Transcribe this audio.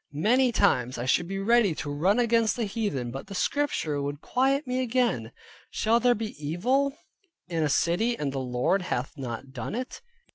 Many times I should be ready to run against the heathen, but the Scripture would quiet me again, "Shall there be evil in a City and the Lord hath not done it?"